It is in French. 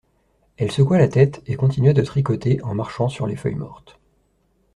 Elle secoua la tête, et continua de tricoter en marchant sur les feuilles mortes.